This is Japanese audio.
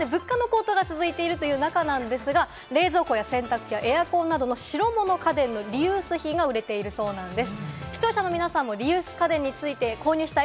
今、物価の高騰が続いているという中なんですが、冷蔵庫や洗濯機やエアコンなどの白物家電のリユース品が売れているそうなんです。